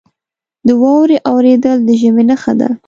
• د واورې اورېدل د ژمي نښه ده.